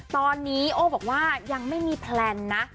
ตอนนี้โอ้บอกว่ายังไม่มีแพลนนะ